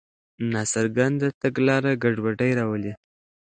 ناڅرګنده تګلاره ګډوډي راولي.